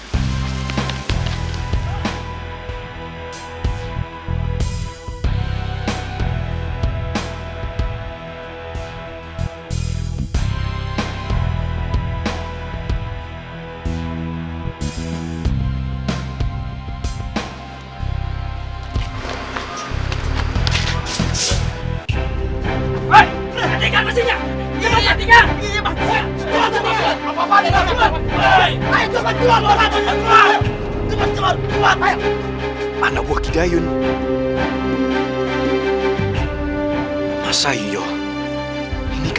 jangan jangan tukang beka